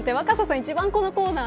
一番このコーナー